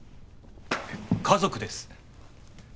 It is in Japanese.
家族です